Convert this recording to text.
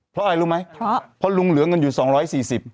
เพราะอะไรรู้ไหมเพราะลุงเหลือเงินอยู่สองร้อยสี่สิบ